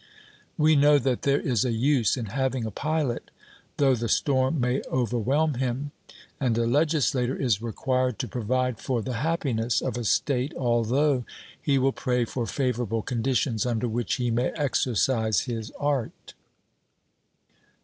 We know that there is a use in having a pilot, though the storm may overwhelm him; and a legislator is required to provide for the happiness of a state, although he will pray for favourable conditions under which he may exercise his art.